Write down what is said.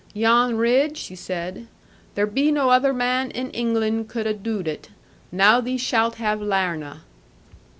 'Jan Ridd,' she said, 'there be no other man in England cud a' dood it. Now thee shalt have Larna.'